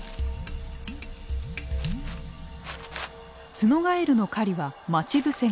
ツノガエルの狩りは待ち伏せ型。